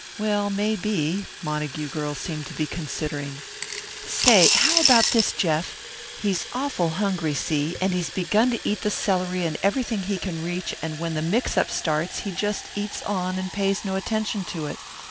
"Well, maybe." Montague girl seemed to be considering. "Say, how about this, Jeff? He's awful hungry, see, and he's begun to eat the celery and everything he can reach, and when the mix up starts he just eats on and pays no attention to it.